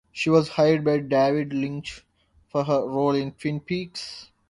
She was hired by David Lynch for her role in "Twin Peaks".